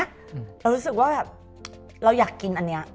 เรารู้สึกว่าแบบเราอยากกินอันนี้